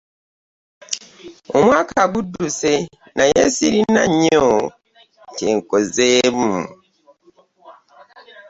Omwaka gudduse naye ssirina nnyo kye nkozeemu.